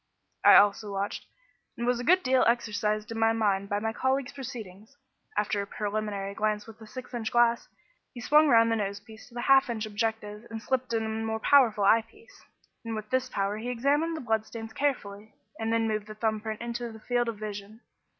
I also watched, and was a good deal exercised in my mind by my colleague's proceedings. After a preliminary glance with the six inch glass, he swung round the nose piece to the half inch objective and slipped in a more powerful eye piece, and with this power he examined the blood stains carefully, and then moved the thumb print into the field of vision.